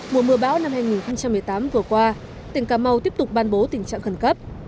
mùa mưa bão năm hai nghìn một mươi tám vừa qua tỉnh cà mau tiếp tục ban bố tình trạng khẩn cấp